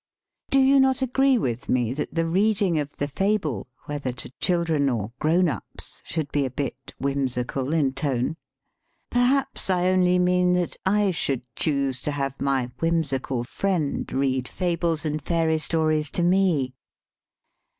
Do you not agree with me that the reading of the fable, whether to children or " grown ups," should be a bit whimsical in tone? Perhaps I only mean that I should choose to have my "whimsical friend" read fables and fairy stories to me.